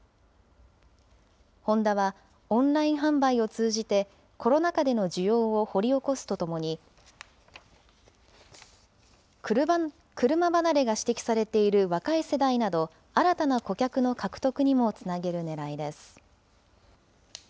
ホンダは、オンライン販売を通じて、コロナ禍での需要を掘り起こすとともに、車離れが指摘されている若い世代など、新たな顧客の獲得にもつなげるねらいです。